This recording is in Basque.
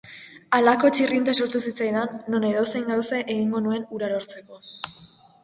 Halako txirrinta sortu zitzaidan, non edozein gauza egingo nuen hura lortzeko.